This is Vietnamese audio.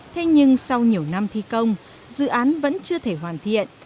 thế nhưng sau nhiều năm thi công dự án vẫn chưa thể hoàn thiện